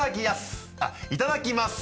いただきやす！